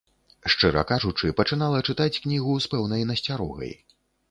Шчыра кажучы, пачынала чытаць кнігу з пэўнай насцярогай.